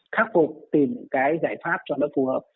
khắc phục tìm cái giải pháp cho nó phù hợp